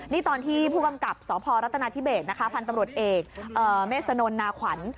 นี่ตอนที่ผู้กำกับสพรัฐนาธิเบสนะคะพันธุ์ตำรวจเอกเมษนนนาขวัญ